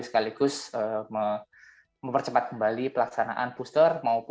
sekaligus mempercepat kembali pelaksanaan booster